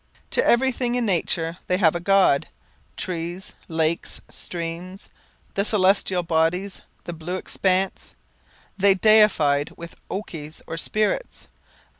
To everything in nature they gave a god; trees, lakes, streams, the celestial bodies, the blue expanse, they deified with okies or spirits.